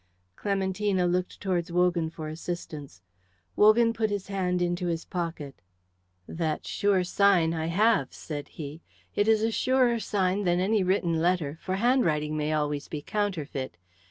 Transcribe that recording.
Clementina looked towards Wogan for assistance. Wogan put his hand into his pocket. "That sure sign I have," said he. "It is a surer sign than any written letter; for handwriting may always be counterfeit.